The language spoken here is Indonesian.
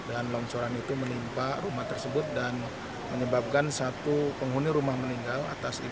dan longsoran itu menimpa rumah tersebut dan menyebabkan satu penghuni rumah meninggal